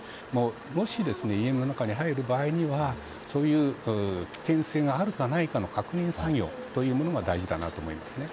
もし、家の中に入る場合にはそういう危険性があるかないかの確認作業が大事だと思います。